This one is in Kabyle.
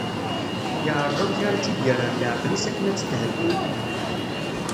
Yeɛreḍ amek ara tt-id-yerr ar leɛqel-is, akken ad tethedden.